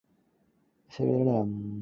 瑙魯